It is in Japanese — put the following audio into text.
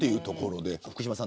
福島さん